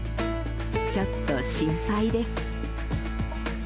ちょっと心配です。